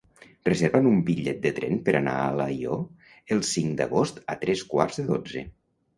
Reserva'm un bitllet de tren per anar a Alió el cinc d'agost a tres quarts de dotze.